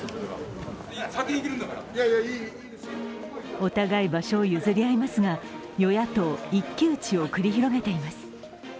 お互い、場所を譲り合いますが、与野党一騎打ちを繰り広げています。